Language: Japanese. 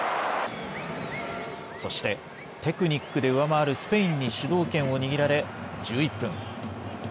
そして、テクニックで上回るスペインに主導権を握られ、１１分。